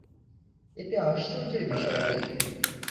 এতে আশ্চর্যের বিষয় নেই।